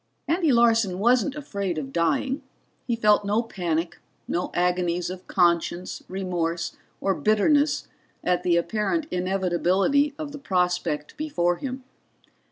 Andy Larson wasn't afraid of dying. He felt no panic, no agonies of conscience, remorse or bitterness at the apparent inevitability of the prospect before him.